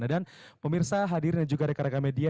dan pemirsa hadirnya juga rekan rekan media